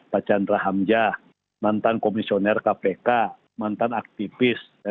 pak chandra hamjah mantan komisioner kpk mantan aktivis